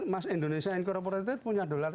mas indonesia incorporated punya dolar